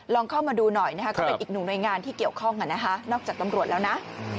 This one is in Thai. ลองเข้ามาดูหน่อยก็เป็นอีกหน่วยงานที่เกี่ยวข้องครับนอกจากตำรวจแล้วนะ